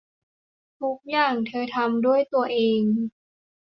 ทุกอย่างเธอทำด้วยตัวเอง